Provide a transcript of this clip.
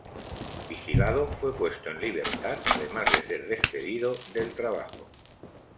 Vigilado, fue puesto en libertad además de ser despedido del trabajo.